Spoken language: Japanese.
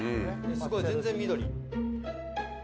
すごい全然緑。